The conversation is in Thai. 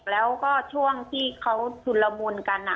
แล้วก็ช่วงที่เขาชุนละมุนกัน